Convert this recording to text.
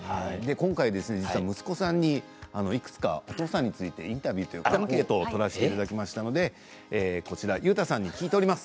今回、息子さんにいくつかお父さんについてインタビューというかアンケートを取らせていただきましたので優汰さんに聞いております。